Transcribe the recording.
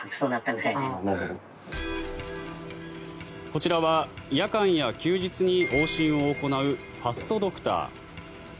こちらは夜間や休日に往診を行うファストドクター。